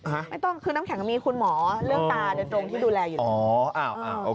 ฮะคือน้ำแข็งเมื่อคุณหมอเรื่องตาเดี๋ยวตรงที่ดูแลอยู่